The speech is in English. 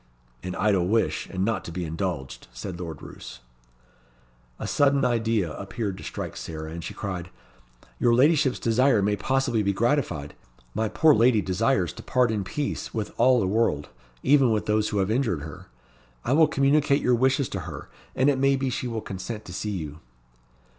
"An idle wish, and not to be indulged," said Lord Roos. A sudden idea appeared to strike Sarah, and she cried, "Your ladyship's desire may possibly be gratified. My poor lady desires to part in peace with all the world, even with those who have injured her. I will communicate your wishes to her, and it may be she will consent to see you."